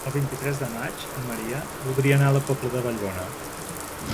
El vint-i-tres de maig en Maria voldria anar a la Pobla de Vallbona.